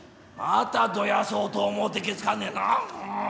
又どやそうと思うてけつかるねんな。